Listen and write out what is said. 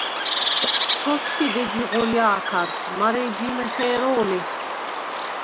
ჩ’ოთშიდ ეჯი ღოლჲა̄ქარს, მარა ეჯი იმ ეხე̄რო̄ლიხ?